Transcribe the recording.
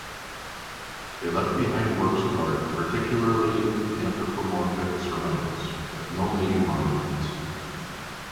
They left behind works of art, particularly anthropomorphic ceramics, but no major monuments.